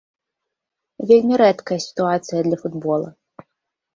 Вельмі рэдкая сітуацыя для футбола.